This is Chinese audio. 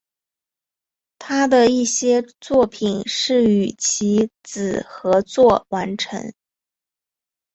他的一些作品是与其子合作完成。